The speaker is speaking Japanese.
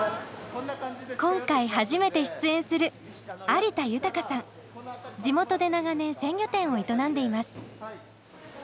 今回初めて出演する地元で長年鮮魚店を営んでいます。